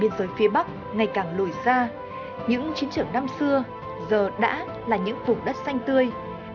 biên giới phía bắc ngày càng lùi xa những chiến trường năm xưa giờ đã là những vùng đất xanh tươi